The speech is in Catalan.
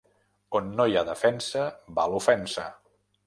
On no hi ha defensa va l'ofensa.